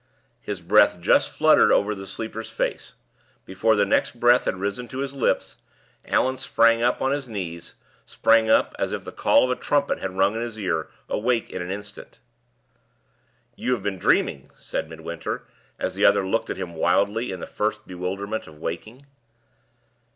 His breath just fluttered over the sleeper's face. Before the next breath had risen to his lips, Allan suddenly sprang up on his knees sprang up, as if the call of a trumpet had rung on his ear, awake in an instant. "You have been dreaming," said Midwinter, as the other looked at him wildly, in the first bewilderment of waking.